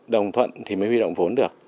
đồng thuận thì mới huy động vốn được